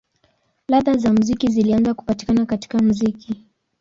Ladha za muziki zilianza kupatikana katika muziki.